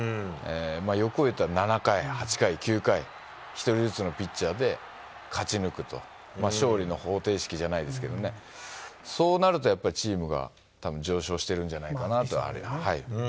欲を言ったら７回、８回、９回、１人ずつのピッチャーで勝ち抜くと、勝利の方程式じゃないですけどね、そうなるとやっぱり、チームがたぶん上昇してるんじゃないかなとは。